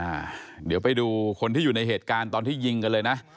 เดี๋ยวไปดูคนที่อยู่ในเหตุการณ์ตอนที่ยิงกันเลยนะ